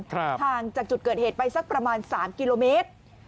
ห่างจากจุดเกิดเหตุไปสักประมาณ๓กิโลเมตร